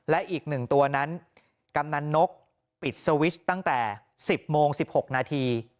และอีก๑ตัวนั้นกำนันนกปิดสวิชตั้งแต่๑๐โมง๑๖นาที